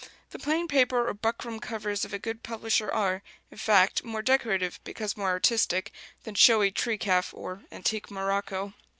The plain paper or buckram covers of a good publisher are, in fact, more decorative, because more artistic, than showy tree calf or "antique morocco."